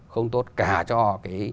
không tốt cả cho cái